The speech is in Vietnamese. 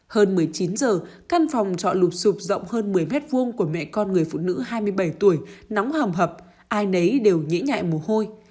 hơn một mươi chín giờ căn phòng trọ lụp sụp rộng hơn một mươi m hai của mẹ con người phụ nữ hai mươi bảy tuổi nóng hầm hập ai nấy đều nhĩ nhạy mồ hôi